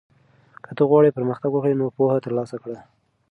که ته غواړې پرمختګ وکړې نو پوهه ترلاسه کړه.